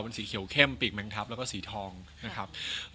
เป็นสีเขียวเข้มปีกแมงทัพแล้วก็สีทองนะครับ